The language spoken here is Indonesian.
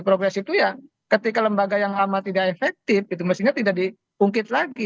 progres itu ya ketika lembaga yang lama tidak efektif itu mestinya tidak diungkit lagi